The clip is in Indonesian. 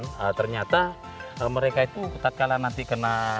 dan ternyata mereka itu ketat kalah nanti kena